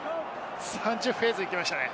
３０フェーズ行きましたね。